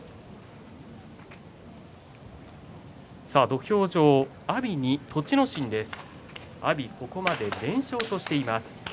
土俵上、阿炎に栃ノ心です。